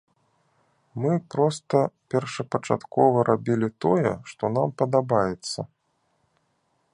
Мы проста першапачаткова рабілі тое, што нам падабаецца.